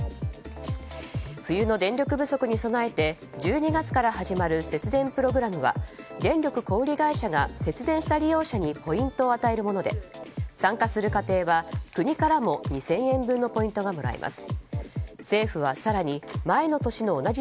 冬の電力不足に備えて１２月から始まる節電プログラムは電力小売り会社が節電した利用者にポイントを与えるもので参加する家庭は国からも２０００円分のポイントがもらえます。